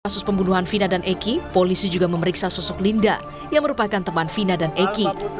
kasus pembunuhan vina dan eki polisi juga memeriksa sosok linda yang merupakan teman fina dan eki